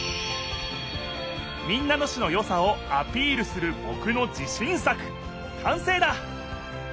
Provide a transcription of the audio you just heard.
民奈野市のよさをアピールするぼくの自しん作かんせいだ！